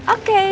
oke makasih mas